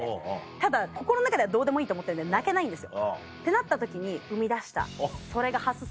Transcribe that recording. ただ心の中ではどうでもいいと思ってるんで泣けないんですよ。ってなった時に生み出したそれが歯すすりです。